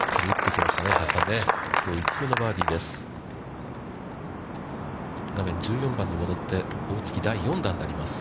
きょう、５つ目のバーディーです。